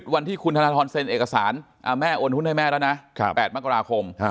วันที่คุณธนทรเซ็นเอกสารแม่โอนหุ้นให้แม่แล้วนะ๘มกราคม